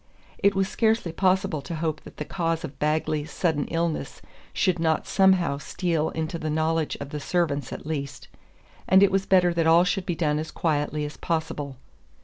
It was scarcely possible to hope that the cause of Bagley's sudden illness should not somehow steal into the knowledge of the servants at least, and it was better that all should be done as quietly as possible.